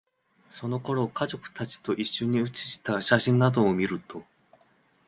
その頃の、家族達と一緒に写した写真などを見ると、